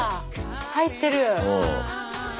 入ってる！